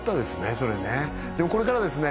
それねでもこれからですね